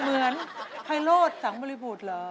เหมือนไพโรธสังบริบุตรเหรอ